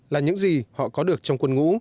là những gì họ có được trong quân ngũ